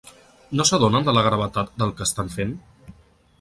No s’adonen de la gravetat del que estan fent?.